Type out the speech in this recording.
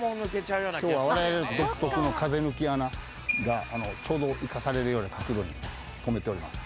今日は我々独特の風抜き穴がちょうど生かされるような角度にとめております